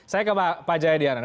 saya ke pak jayadian